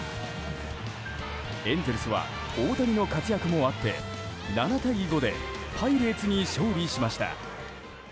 エンゼルスは大谷の活躍もあって７対５でパイレーツに勝利しました。